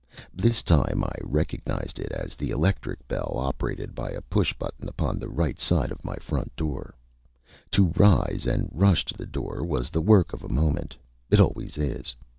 This time I recognized it as the electric bell operated by a push button upon the right side of my front door. To rise and rush to the door was the work of a moment. It always is.